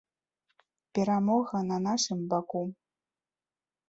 Перамога на нашым баку!